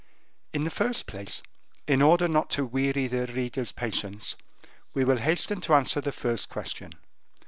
In the first place, in order not to weary the reader's patience, we will hasten to answer the first question.